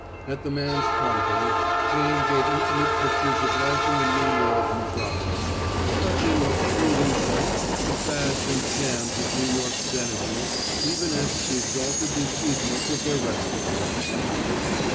At the man's prompting, Jane gave intimate pictures of life in the New World metropolis, touching with shrewd insight the fads and shams of New York's denizens even as she exalted the achievements of their restless energy.